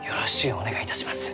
お願いいたします。